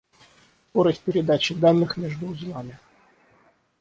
Скорость передачи данных между узлами